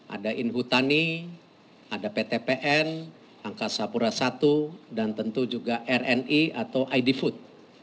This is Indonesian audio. ada inhutani ada ptpn angkasa pura i dan tentu juga rni atau id food